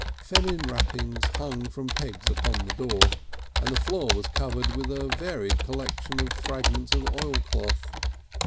Feminine wrappings hung from pegs upon the door, and the floor was covered with a varied collection of fragments of oilcloth.